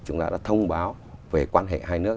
chúng ta đã thông báo về quan hệ hai nước